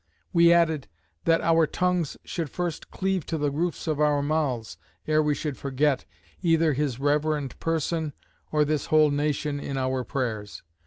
We added, "That our tongues should first cleave to the roofs of our mouths, ere we should forget, either his reverend person, or this whole nation, in our prayers."